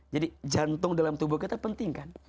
jantung dalam tubuh kita penting kan